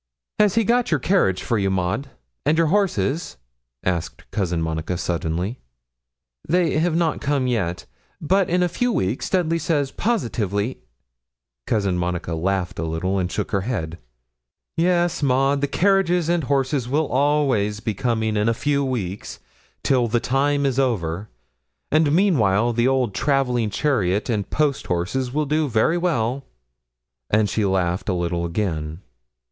'Has he got your carriage for you, Maud, and your horses?' asked Cousin Monica, suddenly. 'They have not come yet, but in a few weeks, Dudley says, positively ' Cousin Monica laughed a little and shook her head. 'Yes, Maud, the carriage and horses will always be coming in a few weeks, till the time is over; and meanwhile the old travelling chariot and post horses will do very well;' and she laughed a little again.